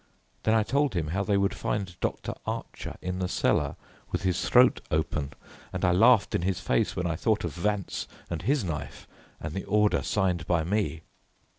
Then I told him how they would find Dr. Archer in the cellar with his throat open, and I laughed in his face when I thought of Vance and his knife, and the order signed by me.